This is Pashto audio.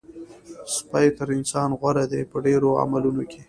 سپی تر انسان غوره دی په ډېرو عملونو کې.